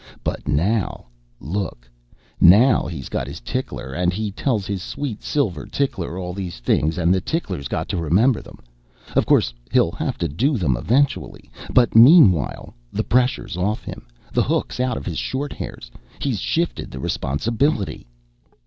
But now, look, now he's got his tickler and he tells his sweet silver tickler all these things and the tickler's got to remember them. Of course he'll have to do them eventually but meanwhile the pressure's off him, the hook's out of his short hairs. He's shifted the responsibility...."